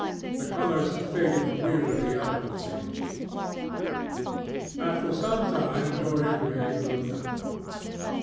The colours faded wearily out of things. After some time Dorian Gray looked up.